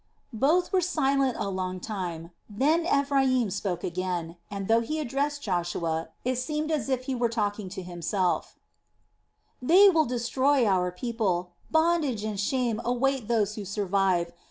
Both were silent a long time, then Ephraim spoke again and, though he addressed Joshua, it seemed as if he were talking to himself: "They will destroy our people; bondage and shame await those who survive.